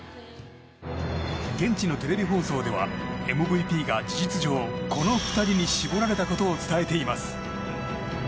現地のテレビ放送ではＭＶＰが事実上この２人に絞られたことを伝えています。